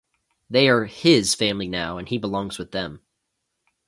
They are "his" family now and he belongs with them.